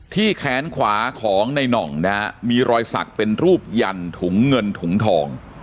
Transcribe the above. แขนขวาของในน่องนะฮะมีรอยสักเป็นรูปยันถุงเงินถุงทอง